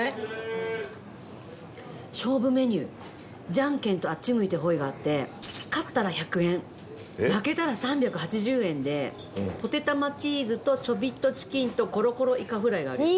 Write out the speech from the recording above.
じゃんけんとあっち向いてホイがあって勝ったら１００円負けたら３８０円でポテ玉チーズとちょびっとチキンとコロコロイカフライがあるよ。